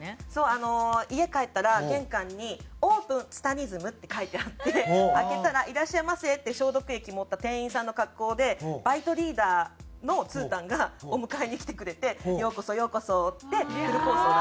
あの家帰ったら玄関に「ＯＰＥＮツタニズム」って書いてあって開けたら「いらっしゃいませ」って消毒液持った店員さんの格好でバイトリーダーのつーたんがお迎えに来てくれて「ようこそようこそ」ってフルコースを出してくれる。